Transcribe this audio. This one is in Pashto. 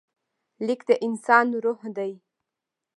لیک د انسان روح دی.